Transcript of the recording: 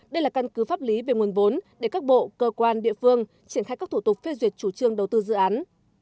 đây là căn cứ pháp lý về nguồn vốn để các bộ cơ quan địa phương triển khai các thủ tục phê duyệt chủ trương đầu tư dự án